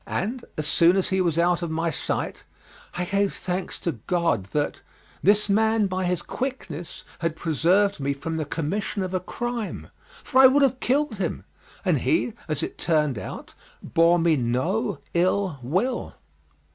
And as soon as he was out of my sight I gave thanks to God that this man by his quickness had preserved me from the commission of a crime, for I would have killed him; and he, as it turned out, bore me no ill will.